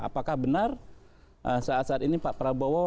apakah benar saat saat ini pak prabowo